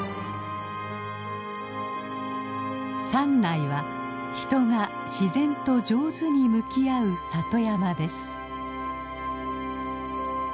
山内は人が自然と上手に向き合う里山です。